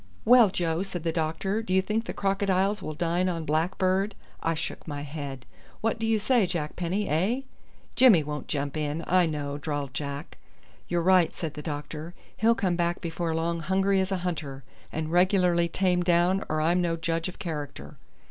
"Well, Joe," said the doctor, "do you think the crocodiles will dine on blackbird?" I shook my head. "What do you say, Jack Penny, eh?" "Jimmy won't jump in, I know," drawled Jack. "You're right," said the doctor; "he'll come back before long hungry as a hunter, and regularly tamed down or I'm no judge of character."